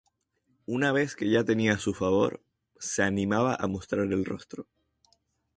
Una vez que ya tenía su favor, se animaba a mostrar el rostro.